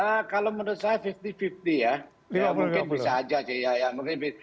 ya mungkin bisa aja sih